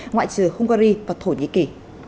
ngoại trừ hungary và thổ nhĩ kỳ